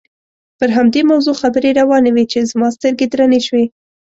پر همدې موضوع خبرې روانې وې چې زما سترګې درنې شوې.